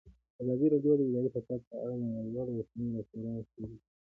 ازادي راډیو د اداري فساد په اړه د نړیوالو رسنیو راپورونه شریک کړي.